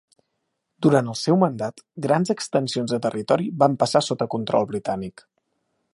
Durant el seu mandat, grans extensions de territori van passar sota control britànic.